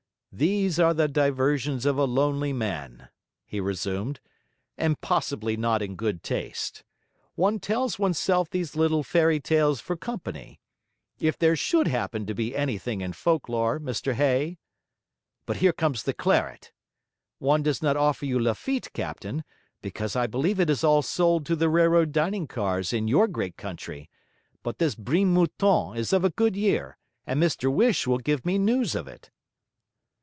'These are the diversions of a lonely, man,' he resumed, 'and possibly not in good taste. One tells oneself these little fairy tales for company. If there SHOULD happen to be anything in folk lore, Mr Hay? But here comes the claret. One does not offer you Lafitte, captain, because I believe it is all sold to the railroad dining cars in your great country; but this Brine Mouton is of a good year, and Mr Whish will give me news of it.'